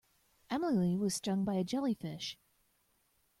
Emily was stung by a jellyfish.